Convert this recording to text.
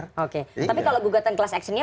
tapi kalau gugatan kelas actionnya